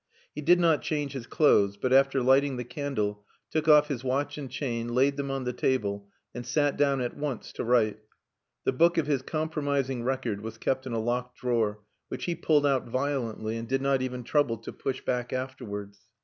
He did not change his clothes, but, after lighting the candle, took off his watch and chain, laid them on the table, and sat down at once to write. The book of his compromising record was kept in a locked drawer, which he pulled out violently, and did not even trouble to push back afterwards.